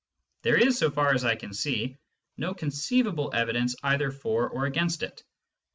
There is, so far as I can see, no conceivable evidence either for or against it.